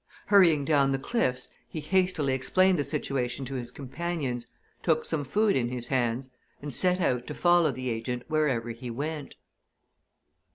Hurrying down the cliffs, he hastily explained the situation to his companions, took some food in his hands, and set out to follow the agent wherever he went.